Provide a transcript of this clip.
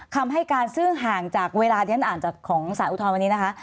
คำให้การซึ่งห่างจากเวลาฉันอ่านของศาสตร์อุทธารตรภัณฑ์วันนี้นะคะ